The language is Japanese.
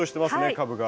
株が。